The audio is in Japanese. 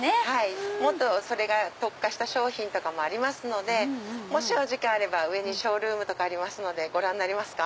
もっとそれが特化した商品もありますのでお時間あれば上にショールームありますのでご覧になりますか？